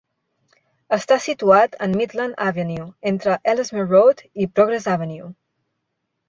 Està situat en Midland Avenue, entre Ellesmere Road i Progress Avenue.